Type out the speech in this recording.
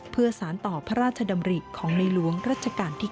เพื่อสารต่อพระราชดำริของในหลวงรัชกาลที่๙